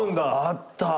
あった。